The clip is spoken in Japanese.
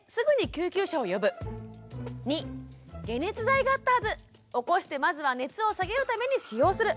２解熱剤があったはず！起こしてまずは熱を下げるために使用する。